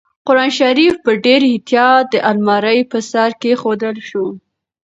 قرانشریف په ډېر احتیاط د المارۍ په سر کېښودل شو.